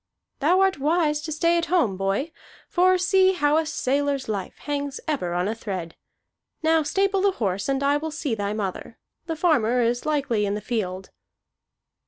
"Thou art wise to stay at home, boy; for see how a sailor's life hangs ever on a thread. Now stable the horse, and I will see thy mother. The farmer is likely in the field."